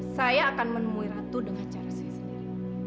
saya akan menemui ratu dengan cara saya sendiri